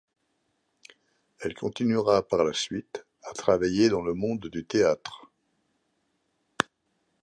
Elle continuera par la suite à travailler dans le monde du théâtre.